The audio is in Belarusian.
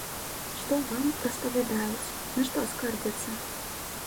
Што вам распавядаюць, на што скардзяцца?